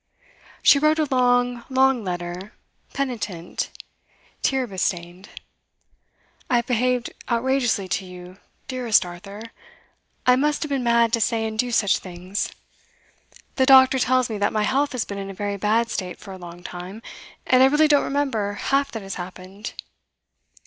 She wrote a long, long letter, penitent, tear bestained. 'I have behaved outrageously to you, dearest Arthur; I must have been mad to say and do such things. The doctor tells me that my health has been in a very bad state for a long time, and I really don't remember half that has happened.